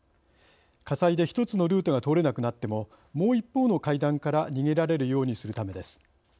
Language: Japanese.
火災で１つのルートが通れなくなってももう一方の階段から逃げられるようにするためです。